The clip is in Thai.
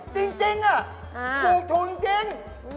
จริงอ่ะถูกถูกจริง